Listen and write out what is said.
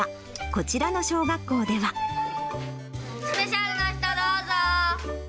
スペシャルの人、どうぞ。